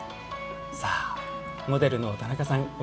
さあモデルの田中さん